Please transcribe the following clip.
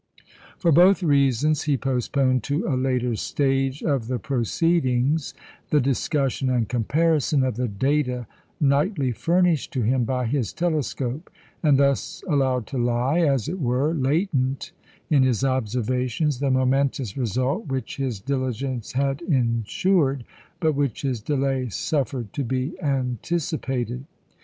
For both reasons he postponed to a later stage of the proceedings the discussion and comparison of the data nightly furnished to him by his telescope, and thus allowed to lie, as it were, latent in his observations the momentous result which his diligence had insured, but which his delay suffered to be anticipated.